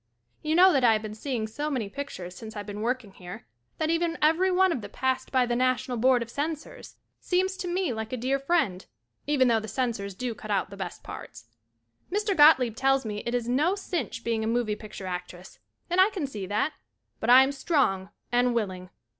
You know that I have been seeing so many pictures since I been working here, that even every one of the "passed by the National Board of Censors" seems to m. like a dear friend, even though the censors do cut out the best parts. Mr. Gotlieb tells me it is no sinch being a moving picture actress and I can see that ; but I am strong and willing.